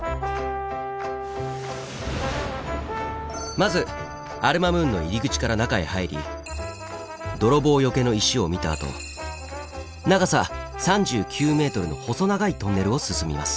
まずアル・マムーンの入り口から中へ入り泥棒よけの石を見たあと長さ３９ｍの細長いトンネルを進みます。